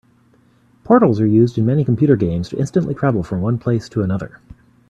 Portals are used in many computer games to instantly travel from one place to another.